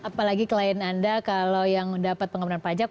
apalagi klien anda kalau yang dapat pengembangan pajak